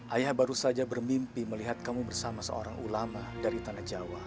ayah baru saja bermimpi melihat kamu bersama seorang ulama dari tanah jawa